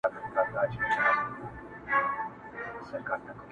جهاني ماته مي نیکونو په سبق ښودلي!